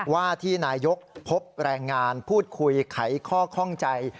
ว่าที่นายกพบแรงงานพูดคุยไขข้อข้องใจ